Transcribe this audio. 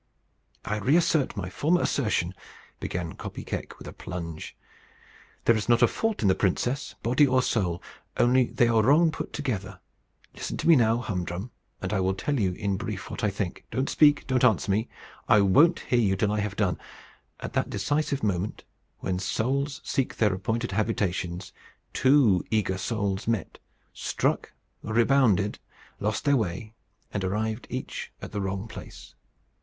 "I reassert my former assertion," began Kopy Keck, with a plunge. "There is not a fault in the princess, body or soul; only they are wrong put together. Listen to me now, Hum Drum, and I will tell you in brief what I think. Don't speak. Don't answer me. I won't hear you till I have done. At that decisive moment, when souls seek their appointed habitations, two eager souls met, struck, rebounded, lost their way, and arrived each at the wrong place.